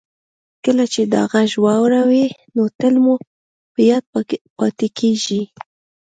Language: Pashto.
کله چې دا غږ واورئ نو تل مو په یاد پاتې کیږي